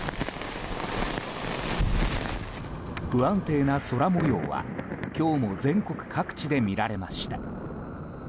不安定な空模様は今日も全国各地で見られました。